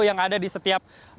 yang ada di setiap